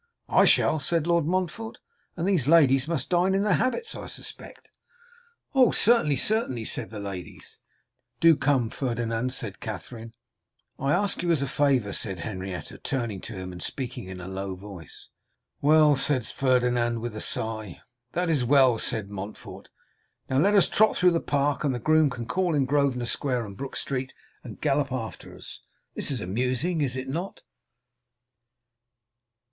'I shall,' said Lord Montfort, 'and these ladies must dine in their habits, I suspect.' 'Oh! certainly, certainly,' said the ladies. 'Do come, Ferdinand,' said Katherine. 'I ask you as a favour,' said Henrietta, turning to him and speaking in a low voice. 'Well,' said Ferdinand, with a sigh. 'That is well,' said Montfort; 'now let us trot through the Park, and the groom can call in Grosvenor square and Brook street, and gallop after us. This is amusing, is it not?